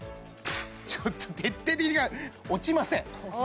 ちょっと徹底的に落ちません